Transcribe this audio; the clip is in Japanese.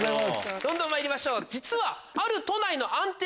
どんどんまいりましょう。